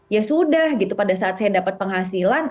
ya sudah gitu pada saat saya dapat penghasilan